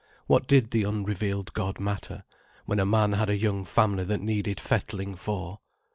What did the unrevealed God matter, when a man had a young family that needed fettling for?